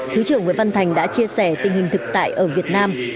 thứ trưởng nguyễn văn thành đã chia sẻ tình hình thực tại ở việt nam